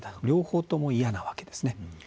両方とも嫌なわけですね。